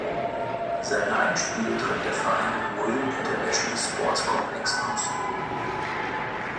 Seine Heimspiele trägt der Verein im Moi International Sports Complex aus.